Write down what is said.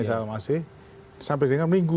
sampai dengan minggu